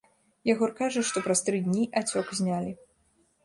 Ягор кажа, што праз тры дні ацёк знялі.